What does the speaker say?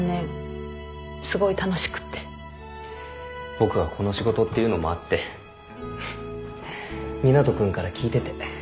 僕はこの仕事っていうのもあって湊斗君から聞いてて。